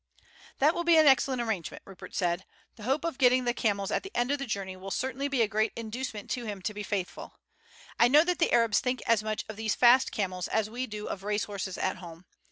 "That will be an excellent arrangement," Rupert said; "the hope of getting the camels at the end of the journey will certainly be a great inducement to him to be faithful. I know that the Arabs think as much of these fast camels as we do of race horses at home.